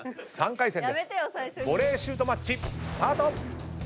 ボレーシュートマッチスタート！